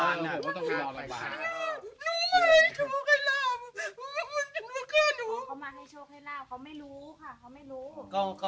เราไปกัดเขาอ่ะมันไม่ใช่ไปกัดเขาก็ไม่เป็นไร